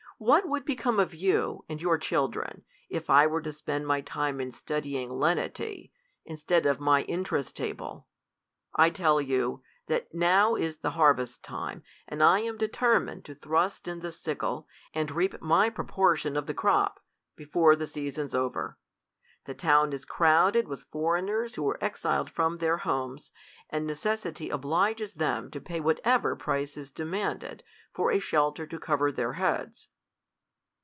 What would become of you, and your children, if I were to spend my time in studying /e/nVy, instead of my interest table ? I tell you, that now is the harvest time, and I am determined to thrust in the sic kle, and reap my proportion of the crop, before the sea son's over. The town is crowded with foreigners who are exiled from their homes, and necessity obliges them to pay whatever price is demanded, for a shelter tQ cover their heads.